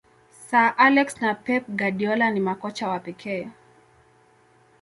sir alex na pep guardiola ni makocha wa pekee